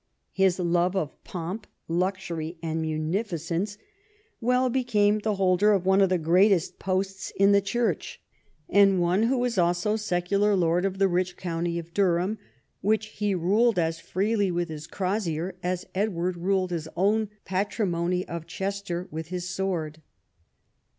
Ilis love of pomp, luxury, and munificence well became the holder of one of the greatest posts in the Church, and one who was also secular lord of the rich county of Durham, which he ruled as freely with his crosier as Edward ruled his own patrimony of Chester by his sword.